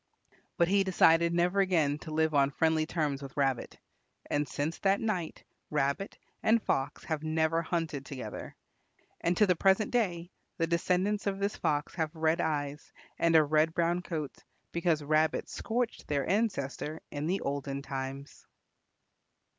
But he decided never again to live on friendly terms with Rabbit. And since that night Rabbit and Fox have never hunted together. And to the present day the descendants of this Fox have red eyes and a red brown coat, because Rabbit scorched their ancestor in the olden times.